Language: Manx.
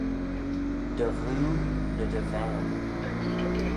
Dy ghoo ny dy vane